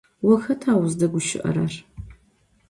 Vo xeta vuzdeguşı'erer?